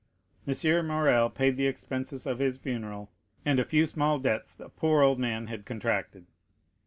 M. Morrel paid the expenses of his funeral, and a few small debts the poor old man had contracted.